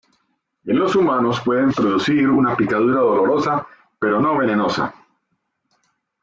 En los humanos pueden producir una picadura dolorosa, pero no venenosa.